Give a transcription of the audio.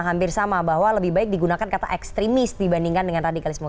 hampir sama bahwa lebih baik digunakan kata ekstremis dibandingkan dengan radikalisme